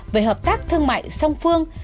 về hợp tác thương mại song phương